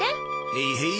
へいへい。